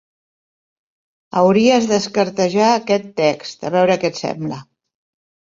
Hauries d'escartejar aquest text, a veure què et sembla.